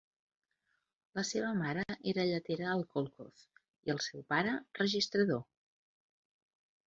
La seva mare era lletera al kolkhoz i el seu pare, registrador.